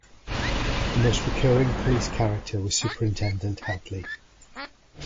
The most recurring police character was Superintendent Hadley.